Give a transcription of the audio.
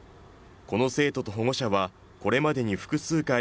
この生徒と保護者はこれまでに複数回